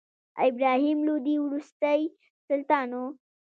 ابراهیم لودي وروستی سلطان و.